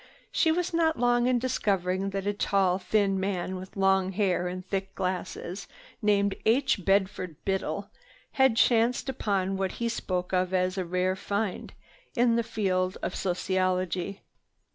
She was not long in discovering that a tall thin man with long hair and thick glasses named H. Bedford Biddle had chanced upon what he spoke of as a "rare find" in the field of sociology.